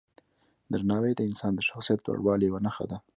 درناوی د انسان د شخصیت لوړوالي یوه نښه ده.